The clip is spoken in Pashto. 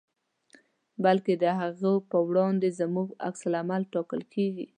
بلکې د هغو په وړاندې زموږ په عکس العمل ټاکل کېږي.